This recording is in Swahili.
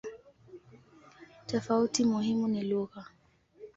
Tofauti muhimu ni lugha.